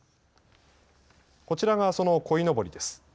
こちらがその、こいのぼりです。